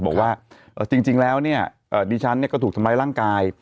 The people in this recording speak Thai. บอกว่าเอ่อจริงจริงแล้วเนี้ยเอ่อดิฉันเนี้ยก็ถูกสำไรร่างกาย